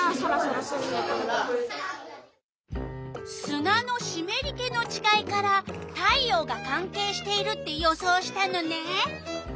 すなのしめり気のちがいから太陽がかんけいしているって予想したのね！